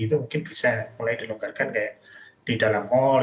itu mungkin bisa mulai dilonggarkan kayak di dalam mal